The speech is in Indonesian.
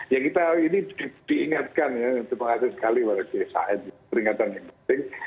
ya kita ini diingatkan ya terima kasih sekali pada saat peringatan yang penting